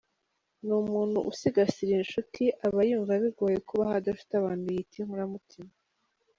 Ni umuntu usigasira inshuti, aba yumva bigoye kubaho adafite abantu yita inkoramutima.